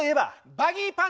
バギーパンツ。